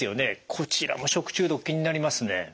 こちらも食中毒気になりますね。